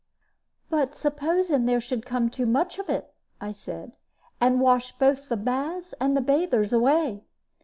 "But supposing there should come too much of it," I said, "and wash both the baths and the bathers away?"